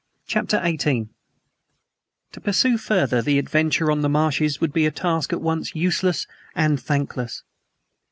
CHAPTER XVIII TO pursue further the adventure on the marshes would be a task at once useless and thankless.